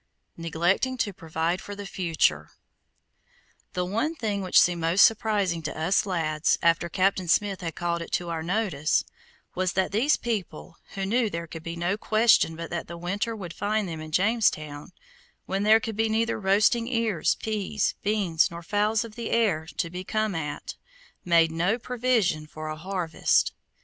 NEGLECTING TO PROVIDE FOR THE FUTURE The one thing which seemed most surprising to us lads, after Captain Smith had called it to our notice, was that these people, who knew there could be no question but that the winter would find them in Jamestown, when there could be neither roasting ears, peas, beans, nor fowls of the air to be come at, made no provision for a harvest.